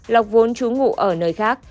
lộc vốn trú ngụ ở nơi khác